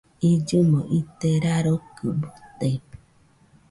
Illɨmo ite rarokɨ bɨte